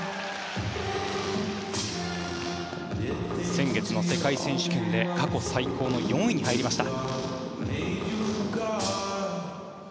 先月の世界選手権で過去最高の４位に入りました。